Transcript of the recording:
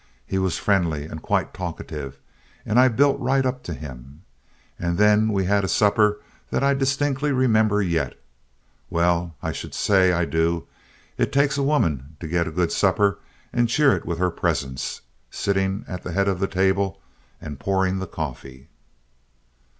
He was friendly and quite talkative, and I built right up to him. And then we had a supper that I distinctly remember yet. Well, I should say I do it takes a woman to get a good supper, and cheer it with her presence, sitting at the head of the table and pouring the coffee.